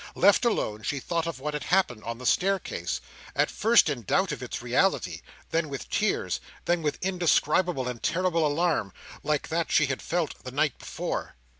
Left alone, she thought of what had happened on the staircase, at first in doubt of its reality; then with tears; then with an indescribable and terrible alarm, like that she had felt the night before.